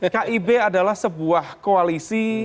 kib adalah sebuah koalisi